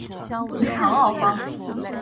于唐奥方。